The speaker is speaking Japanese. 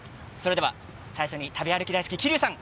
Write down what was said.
最初に食べ歩き大好き桐生さん